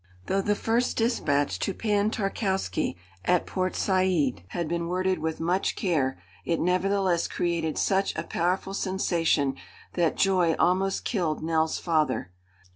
Though the first despatch to Pan Tarkowski at Port Said had been worded with much care, it nevertheless created such a powerful sensation that joy almost killed Nell's father.